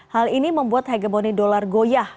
hal ini membuat hegemoni dolar goyah